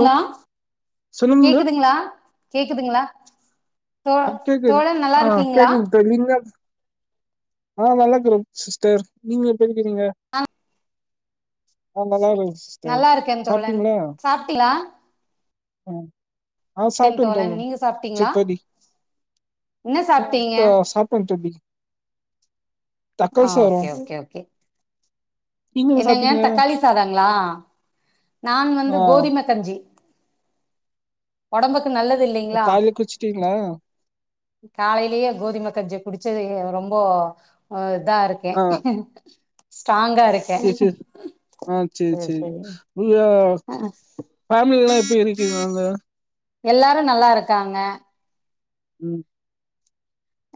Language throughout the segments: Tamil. ஹலோ சொல்லுங்க கேக்குதுங்களா கேக்குதுங்களா தோ அ கேக்குது தோழன் நல்லா ஆ இருக்கீங்களா கேக்துங்க தோழி‌ நீங்க ஆ நல்லருக்றோம் சிஸ்டர் நீங்க எப்படி இருக்கிறிங்க நல்லா இருக்கேன் தோழன் சாப்ட்டீயா உம் ஆஹ் என் சாப்டன் தோழன் நீங்க ச்சீ சாப்ட்டீங்களா தோழி என்ன ஆஹ் சாப்ட்டீங்க தோ சாப்டன் தோழி தக்காளி ஆஹ் சாதோ ஓகே ஓகே ஓகே நீங்க என்ன என்னங்க சாப்ட்டீங்க தக்காளி சாதங்ளா நான் வந்து ஆ கோதுமெ கஞ்சி ஒடம்புக் கு நல்லது இல்லதில்லிங்ளா காலைல குளிச்சிட்டீங்களா காலேலயே கோதுமெ கஞ்ச குடிச்செது ரொம்ப அஹ் தான் இருக்கேன் ஸ்டாங்கா சேர் சேர் ஆஹ் சேரி சேரி சரி [unintelligible] ஆ ஃபேமிலிலல்லா எப்டி இருக்கீறாங்க எல்லாரோ நல்லா இருக்காங்க உம்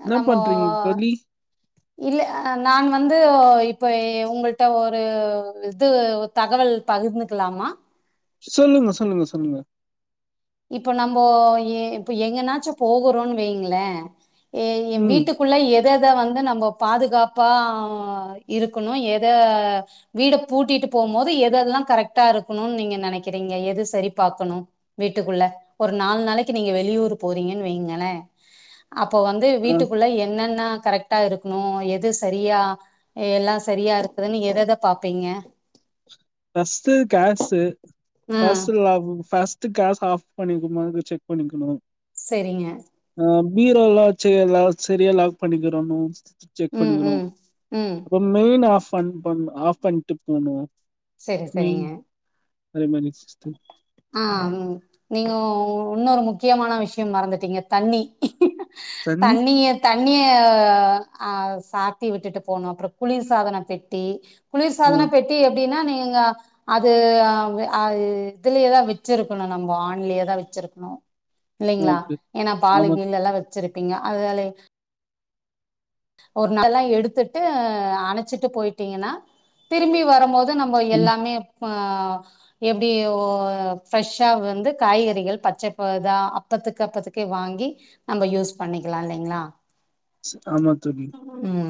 என்னா நம்மோ பண்றீங் தோழி இல்ல ஆ நான் வந்து ஓ இப்ப ஏ உங்கள்ட்ட ஒரு இது ஒ தகவல் தகிர்ந்துக்கிலாமா சொல்லுங்க சொல்லுங்க சொல்லுங்க இப்ப நம்போ ஏ இப்ப எங்கனாச்சு போகுறோன்னு வைங்ளே ஏ எ ம் வீட்டுக்குள்ள எதஎத வந்து நம்போ பாதுகாப்பா இருக்குணு எத வீட பூட்டிட்டு போம்போது எதெல்லா கரெக்டா இருக்குணுன் நீங்க நெனக்கிறீங்க எது செரி பாக்கணு வீட்டுக்குள்ள ஒரு நால் நாளைக்கு நீங்க வெளியூர் போறீங்கன்னு வைங்களே அப்போ வந்து ஆ வீட்டுக்குள்ள என்னென்ன கரெக் டா இருக்குணு எது செரியா எல்லா செரியா இருக்குதுன்னு எதஎத பாப்பீங்க ஃபஸ்ட்டு கேஸு [unintelligible] ம் ஃபர்ஸ்ட் கேஸ் ஆஃப் பண்ணிருகுமாங்றத செக் பண்ணிக்குணு செரிங்க ஆ பீரோலா [unintelligible] செரியா லாக் பண்ணிக்கிறோணு செக் ம் பண்ணிக்குணு ம் ம் அப்போ மெயின் ஆஃப் பண் பண் ஆஃப் பண்ட்டு போனோ செரி செரிங்க அதே மாரி சிஸ்டம் ஆ உ நீங்கோ உன்னொரு முக்கியமான விஷ்யம் மறந்திட்டீங்க தண்ணி தண்ணி தண்ணிய தண் தண்ணிய ஆ சாத்தி விட்டுட்டு போனோ அப்புறோ குளிர் சாதன பெட்டி ஆ குளிர்சாதன பெட்டி அப்டினா ஏங்க அது அ வே அ இத்திலியேதா வச்சிருக்கணு நம்போ ஆன்லேய்தா வச்சிருக்கணு இல்லிங்ளா ஓகே ஏனா ஆமா பாலுகீலுலா வெ வச்சிருப்பீங்க அதனாலே ஒரு [unintelligible] எடுத்துட்டு அணச்சிட்டு போயிட்டீங்கன்னா திரும்பி வரம்போது தா நம்போ ம் எல்லாமே பா எப்டி ஓ ஃப்ரெஷ்சா வந்து காய்கறிகள் பச்சப்பதா அப்பத்துக்கு அப்பத்துக்கு வாங்கி நம்ப யூஸ் பண்ணிக்லா இல்லிங்ளா சரி ஆமா தோழி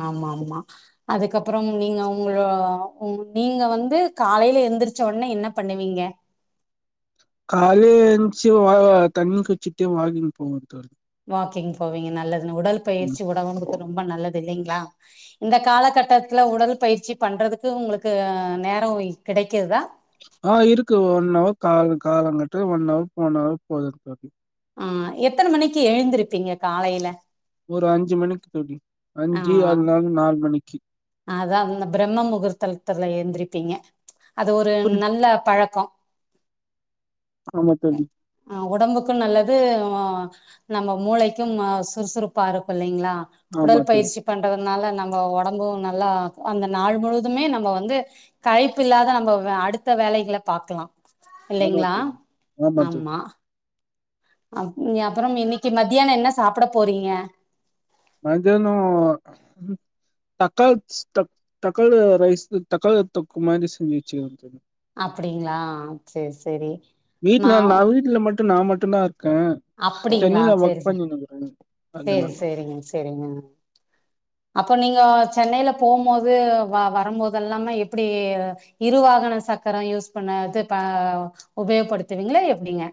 ஆமா ஆமா அதுக்கப்பறம் நீங்க உங்களோ உ நீங்க வந்து காலைல எந்திரிச்ச ஒன்னே என்ன பண்ணுவீங்க கால்லே எந்துச்சு வா தண்ணிக் குச்சிட்டு வாகிங் போவே தோழி வாக்கிங் போவீங்க நல்லது உடல் ம் பயிற்சி [unintelligible] ரொம்ப நல்லது இல்லைங்களா இந்த காலகட்டத்துல உடல் பயிற்சி பண்றதுக்கு உங்களுக்கு நேரோ கிடைக்குதா ஆ இருக்கு ஒன் அவர் கால் காலங்கட்டு ஒன் ஹவர் [unintelligible] ஆ எத்தன மணிக்கு எழுந்திருப்பீங்க காலையில ஒரு அஞ்சு மணிக்கு தோழி ஆ அஞ்சு அது நாலு நாலு மணிக்கு அதா இந்த பிரம்ம முகூர்த்தலத்துல எந்திர் ருப்பீங்க அது ஒரு புரி நல்ல பழக்கோ ஆமா தோழி ஆ ஒடம்புக்கூ நல்லத் து நம்ம மூளைக்கும் சுறுசுறுப்பாருக்கூ இல்லைங்களா ஆமா உடல் தோழி பயிற்சி பண்றதன் னால நம்ம ஒடம்பூ நல்லா அந்த நாள் முழுவதுமே நம்ம வந்து களைப்பு இல்லாத நம்ம அடுத்த வேலைகள பாக்லா ஆமா தோழி ஆமா தோழி அ அப்றம் இன்னிக்கு மத்தியானோ என்ன சாப்ட போறீங்க மத்தியானோ தக்காள்ஸ் தக்காளி ரைஸ்மக்ஷ தக்காளி தொக்கு மாரி செஞ்சி வச்சிருக்க தோழி அப்டிங்களா செர் செரி மாவ் டு நா மட்டுந்தா இருக் க சென்னையில சேரி வர்க் ச பண்ணினுக்றே அதனால செரிங்க அப்போ நீங்க சென்னையில போம்போது வ வரும்போதல்லாம எப்டி இரு வாகன சக்கரோ யூஸ் பண்ணது ப உபயோகப்படுத்துவீங்ளா எப்டிங்க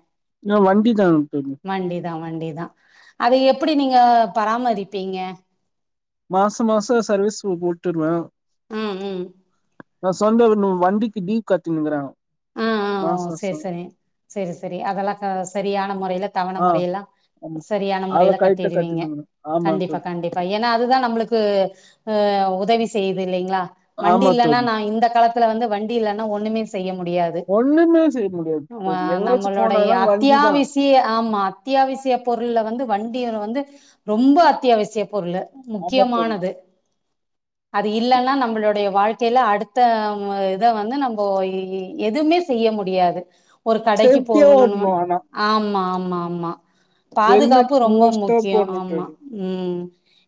ஏ வண்டி தா தோழி வண்டிதா வண்டி தா அத எப்டி நீங்க பராமரிப்பீங்க மாச மாசோ சர்வீஸ்கு உட் டுட்வே ம் ம் நா சொந்தோ இன்னூ வண்டிக்கு டீவ் கட்டினுங்கிறே ஆ ஆ ஓ செர் செரி செர் செரி அதெல்லா க சரியா ன மொறையில தவண ஆ மொறையில்லா ஆமா சரியான அத மொறையில கரெக்டா கட்டிடுவீங்க கட்டினுக்குறே ஆமா கண்டிப்பா தோழி கண்டிப்பா ஏனா அதுதா நம்ளுக்கு ஆ உதவி செய்யுது இல்லைங்ளா வண்டி ஆமா இல்லன்னா தோழி நா இந்த காலத் துல வந்து வண்டி இல்லன்னா ஒன்னுமே செய்யம் முடியாது ஒண்ணுமே செய்ய முடியாது ஆ தோழி எங்காச்சு நம்மளுடைய போனாலு வண்டிதா அத்தியாவிசிய ஆமா அத்தியாவிசிய பொருள்ல வந்து வண்டி வந்து ரொம்ப அத்தியாவிசிய பொருளு ஆமா தோழி முக்கியமானது அது இல்லன்னா நம்மளுடைய வாழ்க் ல்ல அடுத்த இத வந்து நம்மொ எதுவுமே செய்ய முடியாது ஒரு கடைக்கு சேஃப்டியா போகணுன்னு ஓட்டணு ஆனா ஆமா ஆம ஆமா ஆமா ஹெல்மெட் பாதுகாப்பு ரொம்ப மோஸ்டா முக்கியோ போடணு ஆமா தோழி உம்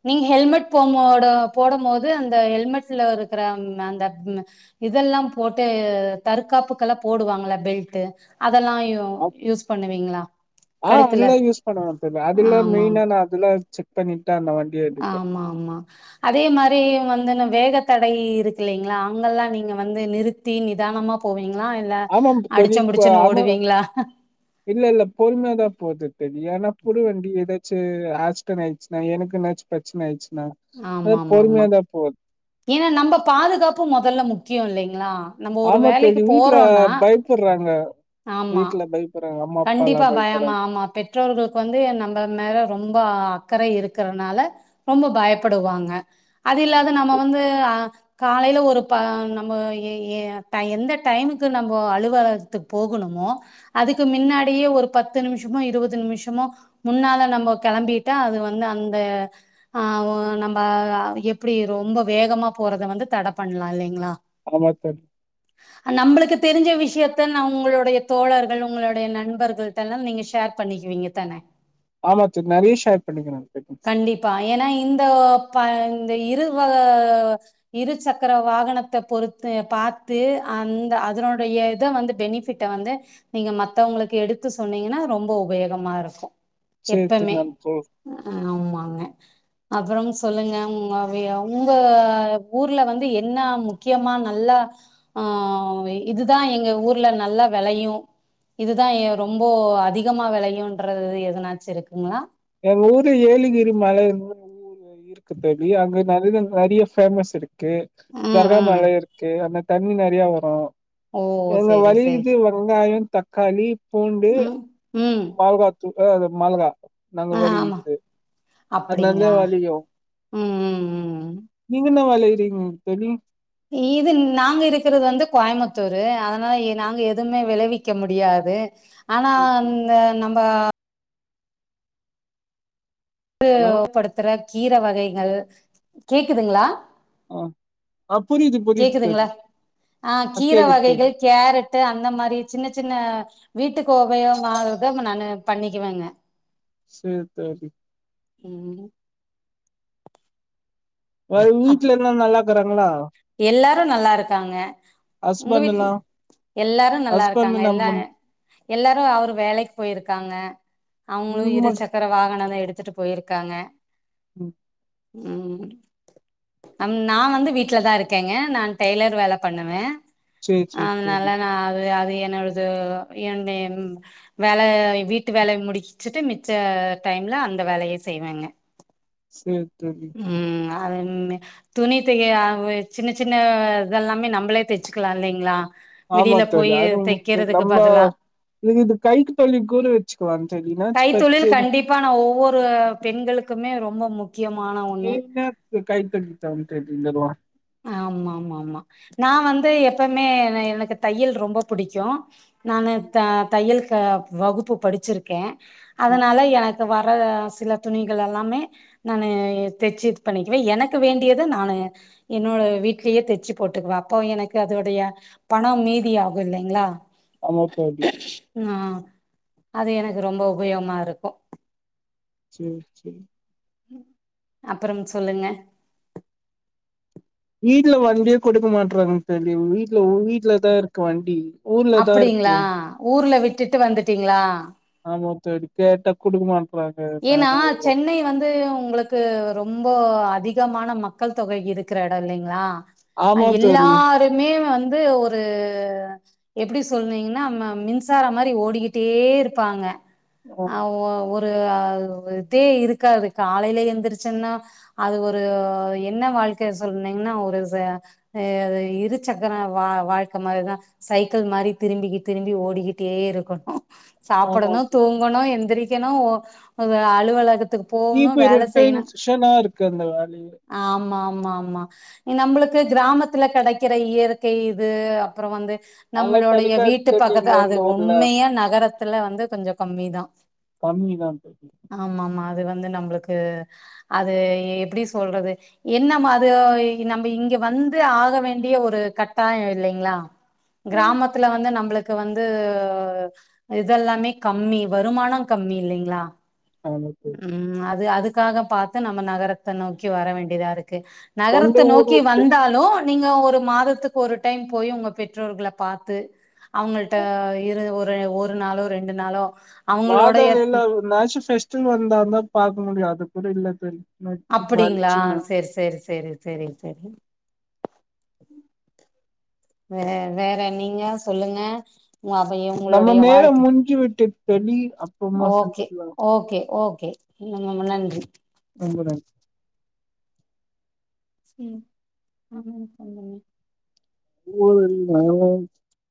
நீங்க ஹெல்மெட் போம்போட போடம் போது அந்த ஹெல்மெட்ல இருக்குற அந்த இதெல்லா போட்டு தற்காப்புக்கல்லா போடுவாங்கள பெல்ட்டு அப் ஆஹ் கழுத்துல அதெல்லா யூஸ் பண்ணுவ தோழி அதுல்லா ஆமாம் மெயினா நா அதெல்லா செக் பண்ணிட்ட வண்டி ஆமா ஆமா அதே மாரி வந்து வேக தடை இருக்குல்லைங்களா அங்கல்லா நீங்க வந்து நிறுத்தி நிதானமா போவீங்க ஆமாம் தோழி ஆமா ஓடுவீங்களா இல்ல ல்ல பொறுமையாதா போகுது தெரியா ஏன்ன புது வண்டி இதை சே ஆஸ்டன் ஆயிச்சுனா எனக்கு என்னாச்சும் பிரச்சன ஆயிச்சு ஆமா மா மா ஏன்னா நம்ம பாதுகாப்பு மொதல்ல முக்கிய இல்லைங் ன்னா நம்ம ஒரு ஆமா வேலைக்கு தோழி வீட்ல போறோனா பயப்படுறாங்க ஆமா வீட்ல பயப்படுறாங்க அம்மா அப்பால்லா கண்டிப்பா பயமா பயப்படுறாங்க ஆமா பெற்றோர்களுக்கு வந்து நம்ம மேல ரொம்ப அக்கற இருக்கிறனால ரொம்ப பயப் ப்படுவாங்க அது ஆமா இல்லாத நம்ம தோழி வந்து அஹ் காலையில ஒரு ப நம்மோ எ ஏ ட எந்த டைமுக்கு நம்ம அலுவலகத்துக் போகணுமோ அதுக்கு மின்னாடியே ஒரு பத்து நிமிஷமோ இருபது நிமிஷமோ முன்னால நம்ம கிளம்பிட்டா அது வந்து அந்த ஆஹ் நம்ம எப்டி ரொம்ப வேகமா போறத வந்து தட பண்லா இல்லைங்ளா ஆமாத்த நம்பளுக்கு தெரிஞ்ச விஷயத்த நா உங்களுடைய தோழர்கள் உங்களுடைய நண்பர்கள் டல்லா நீங்க ஷேர் பண்ணிக்குவீங்க தான ஆமா [unintelligible] நெறய பண்ணிக்கனு [unintelligible] அ ப இந்த இரு வ இரு சக்கர வாகனத்த பொறுத்து பாத்து அந்த அதனுடைய இத வந்து பெனிஃபிட்ட வந்து நீங்க மத்தவங்ளுக்கு எடுத்து சொன்னீங்கன்னா ரொம்ப உபயோகமா இருக்கு சேரி தோழி எப்பமே நா போ ஆமாங்க சொல்லுங்க உ உங்க ஊர்ல இருந்து என்னா முக்கியமா நல்லா ஆஹ் இதுதா எங்க ஊர்ல நல்ல வெளையு இதுதா எ ரொம்ப அதிகமா வெளையுன்றது எதனாச்சு இருக் எங்க ஊர்ல ஏழுகிரி மலை ஊ இருக்கு தோழி அங்க நெற நெறைய பேமஸ் இருக்கு இருக்கு ம் சர்க்கா ம் மல இருக்கு அந்த தண்ணி நெறையா வரு ஓ அங்க செரி செரி வெலயுது வெங்காயொ தக்காளி பூண்டு ம் ம் மொகாதூள் ஏ அது மொளகா நாங்க ஆ ஆமா வரிவித்து அது நல்கா அப்டிங்களா வேலக்கி ஆவு ம் ம் ம் நீங்க என்ன வேல சேரிங் தோழி இது நாங்க இருக்குறது வந்து கோயமுத்தூரு அதனால இ நாங்க எதுவ்மே வெளைவிக்க முடியாது ஆனா அந்த நம் பா து ஹலோ படுத்துற கீரவகைகள் கேக்குதுங்ளா ஆ ஆ புரியுது புரியுது கேக்குதுங்ளா தோழி அ ஆ கீர கேக்குது வகைகள் கேக்குது கேரட் அந்த மாரி சின்ன சின்ன வீட்டுக்கு ஒபயோக்மானது இப் நானு பண்ணிக்குவேங்க சேர் தோழி ம் அது அப் வீட்ல எல்லா நல்லாக்குறாங்ளா எல்லாரு நல்லாருக்காங்க உங்க ஹஸ்பண்ட் வீட்ல எல்லா எல்லாரு ஹஸ்பண்ட் நல்லாருக்காங்க என்ன எல்லா பண் எல்லாரு அவரு வேலைக் போயிருக் காங்க அவுங்களு நீங்க இரு மட் சக்கர வாகனதா எடுத் துட்டு போயிருக்காங்க ம் ம் அம் நா வந்து வீட்லதா இருக் கேங்க நா டெய்லர் வேல பண்ணுவே சேரி அ சேரி நல்ல தோழி நா வு அது ஏ என்னோடது என்து என் வேல வீட்டு வேலைய முடிக்ச்சுட்டு மிச்ச டைம்ல அந்த வேலைய செய்வேங்க சேர் ரவி அதுன்னு துணி தக்க யா வு சின்ன சின்ன இதல்லாமே நம்பளே தெச்சுக்கலா இல்லைங்ளா ஆமா தோழி அதுவு நம்ம பதிலா இதுக்கு இது கைக்கு தொழில் கூட வச்சுக்குவா தோழி மேட்ச் பச்சு கைத்தொழில் கண்டிப்பா ம்மோ முக்யம் இனக்கு [unintelligible] ஆமாமாமாமா நா வந்து எப்பமே எனக்கு தையல் ரொம்ப புடிக்கு நானு த தையல் க வகுப்பு படிச்சிருக்கே அதனால எனக் வர சில துணிகள் எல்லாமே நானு தெச்சு இது பண்ணிக்குவே எனக்கு வேண்டியது நானு என்னோட வீட்லயே தெச்சு போட்டுக்குவே அப்போ எனக்கு அதோடைய பண மீதி ஆகு இல்லைங்ளா ஆமா தோழி ஆஹ அது எனக்கு ரொம்ப உபயோகமா இருக்கோ சேர் சேரி அப்புறம் சொல்லுங்க வீட்டுல வண்டியே கொடுக்க மாட்டறாங்க தோழி உ வீட்டுல உ வீட்லதா இருக்கு வண்டி ஊர்லதா இருக்கு அப்டிங்களா ஊர்ல விட் விட்டுட்டு வந்துட்டீங்ளா [unintelligible] அது கேட்ட கொடுக்கமா ஏன்னா சென்னை வந்து உங்களுக்கு ரொம்ப அதிக அதிகமான மக்கள் தொகை இருக்கிற எடோ இல்லைங்ளா ஆமா தோழி எல்லாருமே வந் வந்து ஒரு எப்டி சொல்னீங்கன்னா நம்ம மின்சாரம் மாரி ஓடிக்கிட்டே இருப்பாங்க ஆ அவ ஒரித் இத இதே இருக்காது காலையில எந்தருச்சோன்னா அது ஒரு என்ன வாழ்க்க சொல்னீங்கன்னா ஒரு இரு சக்கர வா வாழ்க்க மாரிதா சைக்கிள் மாரி திரும்பி திரும்பி ஓடிக்கிட்டே இருக்கணு ஆமா சாப்புடணு தோழி தூங்கணு எந்திரி ரிக்கணு அது அலுவாளத் [unintelligible] ஒரு ஒரு டைம் டென்ஷனா இருக்கு அந்த வேலையே ஆமா ஆமா ஆமா நம்மளுக்கு கிராமத்துல கெடைக்கிற இயற்கை இது அப்புறோ வந்து அதெல்லா நம்மளுடைய கெடைக்காது வீட்டு தோழி பக்கத்து இங்க அது இந்த ஊர்ல உண்மையா நகரத்துல வந்து கொஞ்சோ கம்மிதா கம்மிதா தோழி ஆமா ஆமா அது வந்து நம்மளுக்கு அது எப்டி சொல்றது என்ன அது நம்ம இங்க வந்து ஆக வேண்டிய ஒரு கட்டாயோ இல்லைங்ளா ஆமா கிராமத்துல வந்து நம்மளுக்கு வந்து இதெல்லாமே கம்மி வருமானம் கம்மி இல்லைங்ளா ஆமா தோழி உம் அது அது க்காக பாத்து நம்ம நகரத்த நோக்கி வர வேண்டியதா இருக்கு சொந்த நகரத்த ஊர் நோக்கி விட்டு வந்தாலு நீங்க ஒரு மாதத்துக்கு ஒரு டைம் போய் உங்க பெற்றோர்கல பாத்து அவுங்கல்ட்ட ஆமா. இரு ஒரு ஒரு நாளோ ரெண்டு நாளோ அவங்களோடைய வாதவில்லா அது ஒரு நாச்சு சைய்ஸ் பங்க்ஷன் வந்ததா பாக்க முடியு அது கூட இல்ல தோழி அப்டிங்களா செரி செரி செ செரி செரி செரி [inaudible] வேற வேற நீங்க சொல்லுங்க உ அப்ப நம்ம உங்களுடைய நேரம் வாழ்க்கை முஞ்சி விட்டது ஓகே ஓகே ஓகே ம் நன்றி ரெம்ப நன் உம் ஆ சொல்லுங்க [unintelligible]